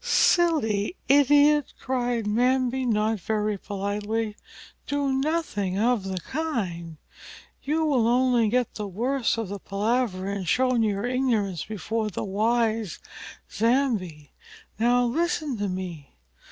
"Silly idiot!" cried the Mbambi, not very politely. "Do nothing of the kind. You will only get the worst of the palaver and show your ignorance before the wise Nzambi. Now listen to me.